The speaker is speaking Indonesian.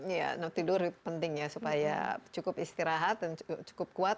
iya tidur penting ya supaya cukup istirahat dan cukup kuat